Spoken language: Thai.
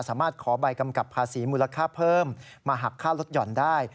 สามารถขอใบกำกับภาษีมูลค่าเพิ่มมาหักค่าลดหย่อนได้